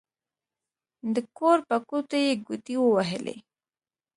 د کور په کوټو يې ګوتې ووهلې.